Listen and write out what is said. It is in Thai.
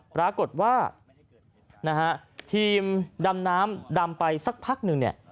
ปรากฏว่านะฮะทีมดำน้ำดำไปสักพักหนึ่งเนี่ย